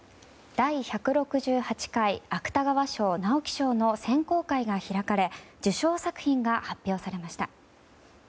第１６８回芥川賞・直木賞の選考会が開かれ受賞作品が発表されました。